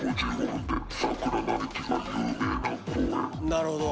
なるほど。